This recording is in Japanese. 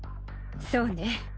そうね。